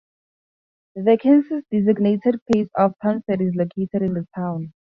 The census-designated place of Townsend is located in the town.